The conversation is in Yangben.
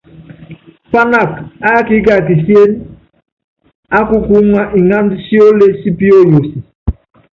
Pának ábííka kisién á kukúúŋa iŋánd sióle sí píóyosi.